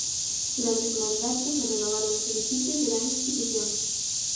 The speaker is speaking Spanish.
Durante su mandato, se renovaron los edificios de la institución.